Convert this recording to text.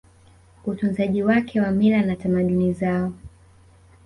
utunzaji wake wa mila na tamaduni zao